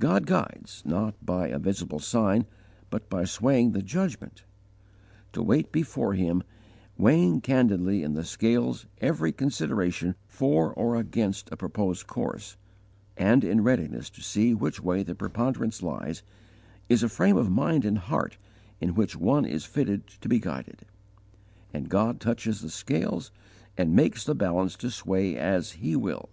God guides, not by a visible sign, but by swaying the judgment. To wait before Him, weighing candidly in the scales every consideration for or against a proposed course, and in readiness to see which way the preponderance lies, is a frame of mind and heart in which one is fitted to be guided; and God touches the scales and makes the balance to sway as He will.